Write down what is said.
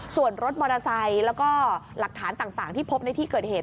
ส่วนรถมอเตอร์ไซค์แล้วก็หลักฐานต่างที่พบในที่เกิดเหตุ